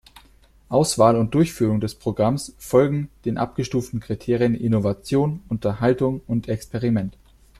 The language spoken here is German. Auswahl und Durchführung des Programms folgen den abgestuften Kriterien Innovation, Unterhaltung und Experiment.